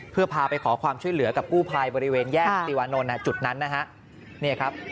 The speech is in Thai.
เพื่อพาไปขอความช่วยเหลือกับกู้ภัยบริเวณแยกติวานนท์จุดนั้นนะฮะ